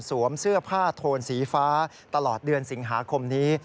เสื้อผ้าโทนสีฟ้าตลอดเดือนสิงหาคมนี้